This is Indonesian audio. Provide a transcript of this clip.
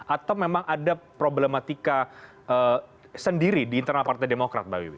atau memang ada problematika sendiri di internal partai demokrat mbak wiwi